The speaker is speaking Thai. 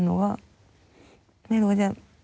หนูก็ไม่รู้จะ